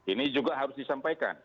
ini juga harus disampaikan